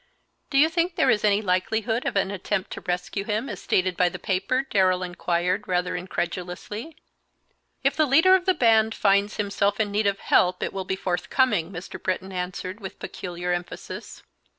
"Do you think there is any likelihood of an attempt to rescue him, as stated by the paper?" Darrell inquired, rather incredulously. "If the leader of the band finds himself in need of help it will be forthcoming," Mr. Britton answered, with peculiar emphasis.